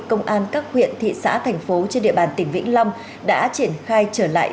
công an các huyện thị xã thành phố trên địa bàn tỉnh vĩnh long đã triển khai trở lại